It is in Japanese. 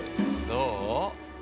どう？